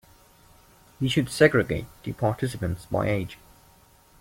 We should segregate the participants by age.